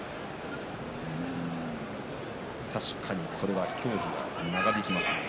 確かにこれは協議が長引きますね。